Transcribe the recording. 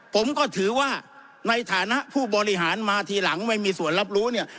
ผมก็ถือว่าในฐานะผู้บริหารมาทีหลังไม่มีส่วนรับรู้เนี่ย